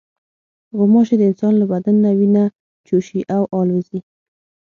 غوماشې د انسان له بدن نه وینه چوشي او الوزي.